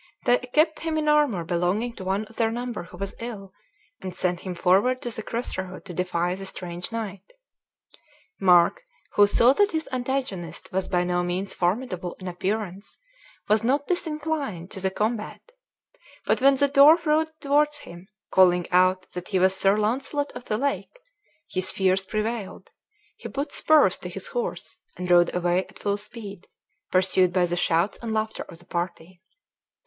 They equipped him in armor belonging to one of their number who was ill, and sent him forward to the cross road to defy the strange knight. Mark, who saw that his antagonist was by no means formidable in appearance, was not disinclined to the combat; but when the dwarf rode towards him, calling out that he was Sir Launcelot of the Lake, his fears prevailed, he put spurs to his horse, and rode away at full speed, pursued by the shouts and laughter of the party.